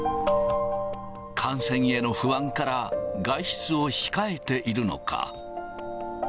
感染への不安から、外出を控えているのか。